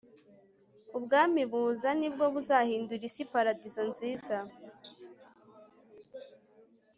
ubwami buza ni bwo buzahindura isi paradizo nziza